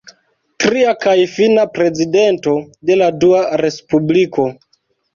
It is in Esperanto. Tria kaj fina prezidento de la Dua respubliko.